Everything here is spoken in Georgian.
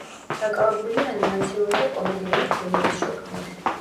დაკავებულია ანიმაციური და კომედიური ფილმების შექმნით.